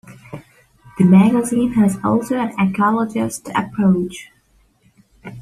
The magazine has also an ecologist approach.